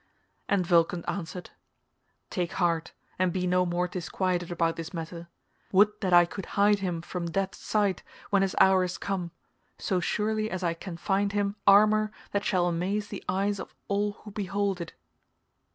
And Vulcan answered, "Take heart, and be no more disquieted about this matter; would that I could hide him from death's sight when his hour is come, so surely as I can find him armour that shall amaze the eyes of all who behold it."